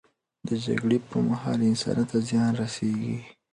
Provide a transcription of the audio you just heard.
د جګړې پر مهال، انسانیت ته زیان رسیږي.